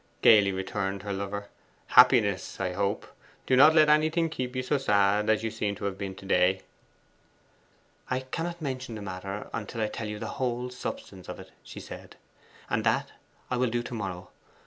gaily returned her lover. 'Happiness, I hope. Do not let anything keep you so sad as you seem to have been to day.' 'I cannot mention the matter until I tell you the whole substance of it,' she said. 'And that I will do to morrow.